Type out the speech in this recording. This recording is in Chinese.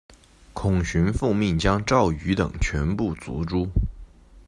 孔循奉命将赵虔等全部族诛。